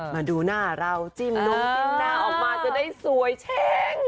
มาดูหน้าเราจิ้มนมจิ้มหน้าออกมาจะได้สวยเช้ง